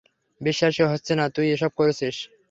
বিশ্বাসই হচ্ছে না তুই এসব করছিস, স্টিফলার।